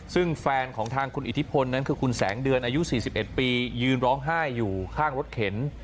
ซึ่งแฟนของทางคุณอิทธิพลนั้นคือคุณแสงเดือนอายุ๔๑ปียืนร้องไห้อยู่ข้างรถเข็น